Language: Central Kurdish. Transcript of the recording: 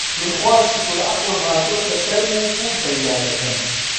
من خوا شوکور عەقڵم هاتۆتە سەرم و پووڵ پەیدا دەکەم